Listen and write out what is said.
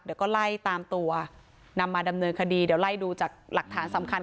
เดี๋ยวก็ไล่ตามตัวนำมาดำเนินคดีเดี๋ยวไล่ดูจากหลักฐานสำคัญ